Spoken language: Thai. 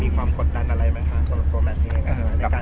มีความกดดันอะไรมั้ยคะ